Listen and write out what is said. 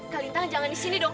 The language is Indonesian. kalintang jangan disini dong